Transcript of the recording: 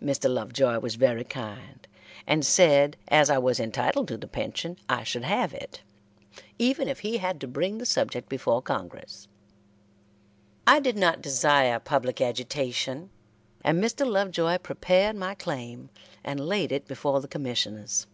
Mr. Lovejoy was very kind, and said as I was entitled to the pension, I should have it, even if he had to bring the subject before Congress. I did not desire public agitation, and Mr. Lovejoy prepared my claim and laid it before the Commissioners.